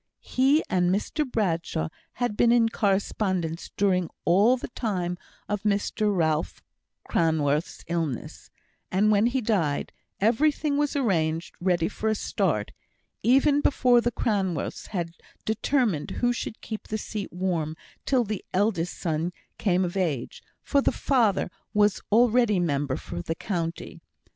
He and Mr Bradshaw had been in correspondence during all the time of Mr Ralph Cranworth's illness; and when he died, everything was arranged ready for a start, even before the Cranworths had determined who should keep the seat warm till the eldest son came of age, for the father was already member for the county.